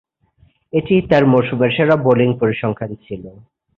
এটিই তার মৌসুমের সেরা বোলিং পরিসংখ্যান ছিল।